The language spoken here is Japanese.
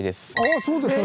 あそうですか。